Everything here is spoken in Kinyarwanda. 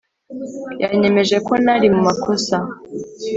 Yanyemeje ko nari mu makosa